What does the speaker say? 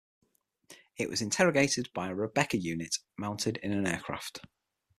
It was interrogated by a "Rebecca" unit mounted in an aircraft.